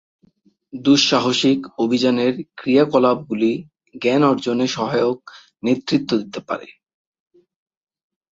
দুঃসাহসিক অভিযানের ক্রিয়াকলাপগুলি জ্ঞান অর্জনে সহায়ক নেতৃত্ব দিতে পারে।